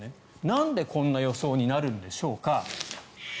なんでこんな予想になるんでしょうか。